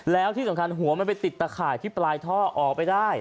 แล้วที่สำคัญหัวมันไปติดตะข่ายที่ปลายท่อออกไปได้